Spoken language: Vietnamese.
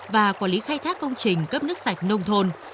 và quản lý khai thác công trình cấp nước sạch nông thôn